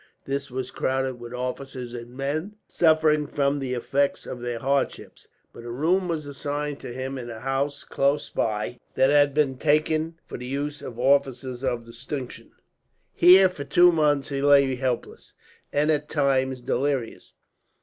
This was crowded with officers and men, suffering from the effects of their hardships; but a room was assigned to him in a house close by, that had been taken for the use of officers of distinction. Here for two months he lay helpless, and at times delirious.